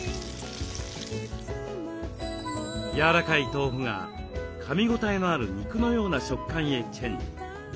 やわらかい豆腐がかみ応えのある肉のような食感へチェンジ。